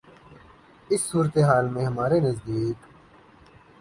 اس صورتِ حال میں ہمارے نزدیک